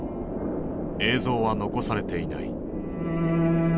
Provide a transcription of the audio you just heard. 映像は残されていない。